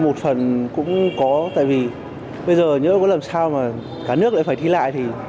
một phần cũng có tại vì bây giờ nhớ có làm sao mà cả nước lại phải thi lại thì